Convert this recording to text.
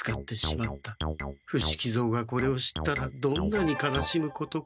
伏木蔵がこれを知ったらどんなに悲しむことか。